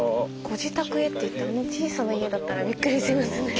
「ご自宅へ」ってあの小さな家だったらびっくりしますね。